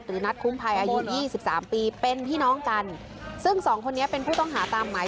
หรือนัสคุมภัยอายุยี่สิบสามปีเป็นพี่น้องกันซึ่งสองคนตามหมาย